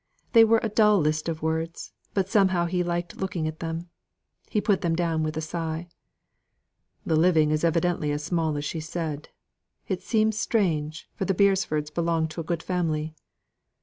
They were a dull list of words, but somehow he liked looking at them. He put them down with a sigh. "The living is evidently as small as she said. It seems strange, for the Beresfords belong to a good family."